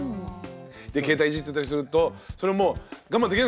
携帯いじってたりするとそれもう我慢できなくなっちゃうから。